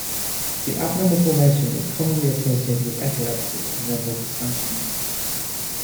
The abnormal formation is commonly associated with epilepsy and mental dysfunctions.